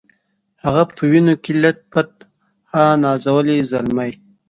هغه په وینو کي لت پت ها نازولی زلمی